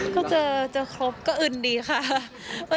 ก็เจอครบก็อึนดีค่ะ